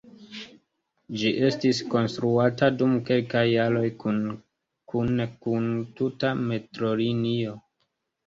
Ĝi estis konstruata dum kelkaj jaroj kune kun tuta metrolinio.